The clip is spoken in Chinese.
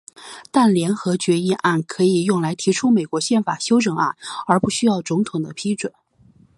但联合决议案可以用来提出美国宪法修正案而不需要总统的批准。